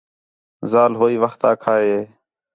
ذال ہوئی وخت آکھا ہِے